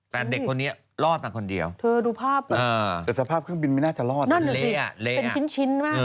แต่เด็กคนนี้รอดมาคนเดียวแต่สภาพเครื่องบินไม่น่าจะรอดเป็นชิ้นมาก